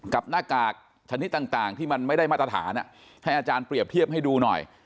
หน้ากากชนิดต่างที่มันไม่ได้มาตรฐานให้อาจารย์เปรียบเทียบให้ดูหน่อย